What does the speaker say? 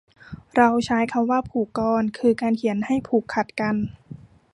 เราใช้คำว่าผูกกลอน คือการเขียนให้ผูกขัดกัน